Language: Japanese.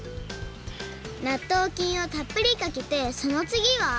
なっとうきんをたっぷりかけてそのつぎは？